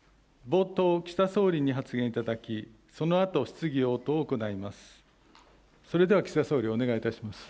冒頭、岸田総理にご発言いただき、そのあと、質疑応答を行います。